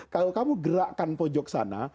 kalau kamu gerakan pojok sana